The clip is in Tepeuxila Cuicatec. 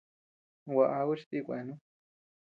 Gua aku chi tika kuenu.